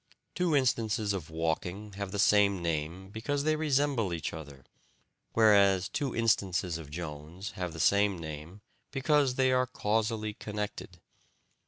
Two instances of walking have the same name because they resemble each other, whereas two instances of Jones have the same name because they are causally connected.